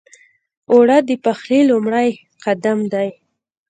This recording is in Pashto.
اوړه د پخلي لومړی قدم دی